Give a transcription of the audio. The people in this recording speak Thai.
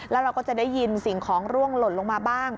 แล้วเราก็จะได้ยินสิ่งของร่วงหล่นลงมาบ้าง